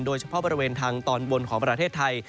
โดยเฉพาะบริเวณทางตอนบนของประเทศไทย